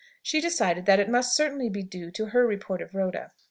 She decided that it must certainly be due to her report of Rhoda.